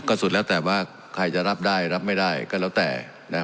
สุดแล้วแต่ว่าใครจะรับได้รับไม่ได้ก็แล้วแต่